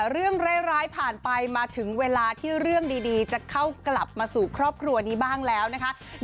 เรื่องร้ายผ่านไปมาถึงเวลาที่เรื่องดีจะเข้ากลับมาสู่ครอบครัวนี้บ้างแล้วนะคะ